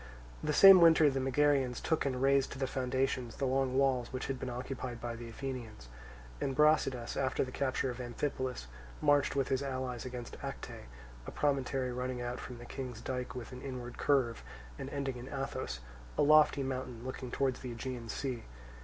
The same winter the Megarians took and razed to the foundations the long walls which had been occupied by the Athenians; and Brasidas after the capture of Amphipolis marched with his allies against Acte, a promontory running out from the King's dike with an inward curve, and ending in Athos, a lofty mountain looking towards the Aegean Sea.